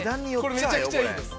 めちゃくちゃいいんです。